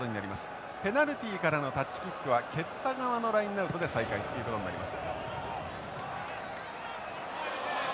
ペナルティからのタッチキックは蹴った側のラインアウトで再開ということになります。